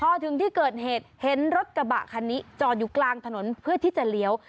พอถึงที่เกิดเหตุเห็นรถกระบะคันนี้จอดอยู่กลางถนนเพื่อที่จะเลี้ยว